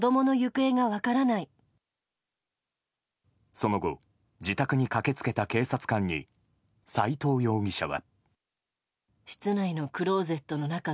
その後自宅に駆け付けた警察官に斎藤容疑者は。